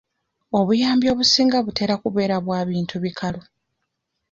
Obuyambi obusinga butera kubeera bwa bintu bikalu.